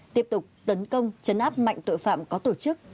tiếp tục tấn công chấn áp mạnh tội phạm có tổ chức